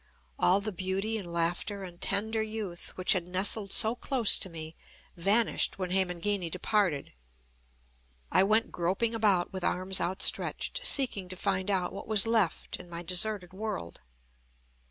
All the beauty and laughter and tender youth, which had nestled so close to me, vanished when Hemangini departed. I went groping about with arms outstretched, seeking to find out what was left in my deserted world.